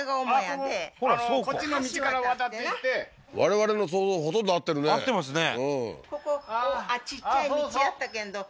我々の想像ほとんど合ってるね合ってますね